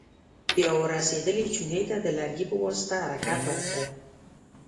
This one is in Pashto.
بیا ور رسېدلې چونې ته د لرګي په واسطه حرکت ورکړئ.